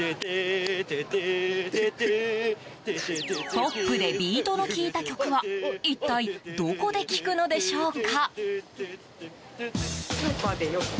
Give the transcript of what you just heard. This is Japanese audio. ポップでビートの効いた曲は一体、どこで聞くのでしょうか？